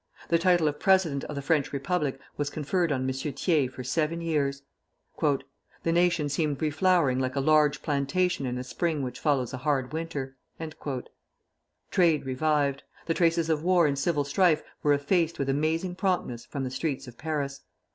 The title of President of the French Republic was conferred on M. Thiers for seven years. "The nation seemed re flowering, like a large plantation in a spring which follows a hard winter." Trade revived. The traces of war and civil strife were effaced with amazing promptness from the streets of Paris.